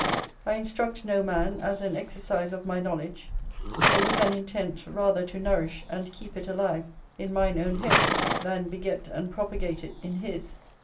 I instruct no man as an exercise of my knowledge, or with an intent rather to nourish and keep it alive in mine own head than beget and propagate it in his.